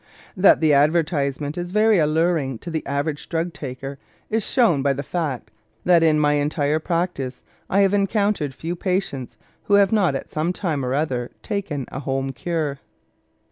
That the advertisement is very alluring to the average drug taker is shown by the fact that in my entire practice I have encountered few patients who have not at some time or other taken a home cure.